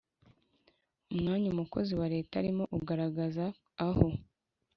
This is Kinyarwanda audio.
Umwanya umukozi wa leta arimo ugaragaza aho